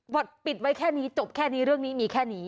ปิดไว้แค่นี้จบแค่นี้เรื่องนี้มีแค่นี้